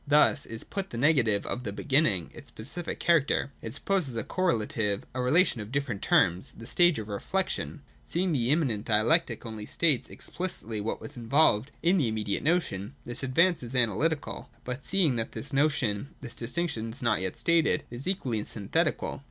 Thus is put the negative of the beginning, its specific character : it supposes a correlative, a relation of different terms, — the stage of Reflection. Seeing that the immanent dialectic only states ex plicitly what was involved in the immediate notion, this advance is Analytical ; but seeing that in this notion this distinction was not yet stated, — it is equally Synthetical.